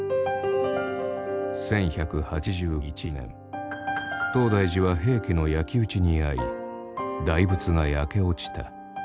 １１８１年東大寺は平家の焼き打ちに遭い大仏が焼け落ちた。